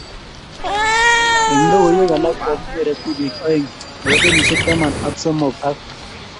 Eng logoiwek alak kokinyere tibik oeng, nebo kenyisiek taman ak somok ak